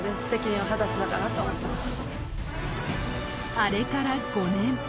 あれから５年。